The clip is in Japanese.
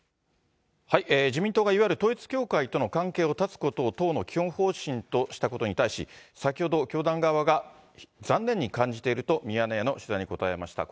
自民党がいわゆる統一教会との関係を断つことを、党の基本方針としたことに対し、先ほど、教団側が残念に感じているとミヤネ屋の取材に答えました。